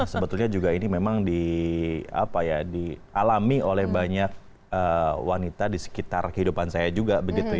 sebetulnya juga ini memang dialami oleh banyak wanita di sekitar kehidupan saya juga begitu ya